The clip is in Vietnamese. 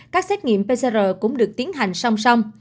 các xét nghiệm pcr cũng được tiến hành song song